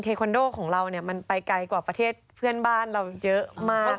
คอนโดของเรามันไปไกลกว่าประเทศเพื่อนบ้านเราเยอะมาก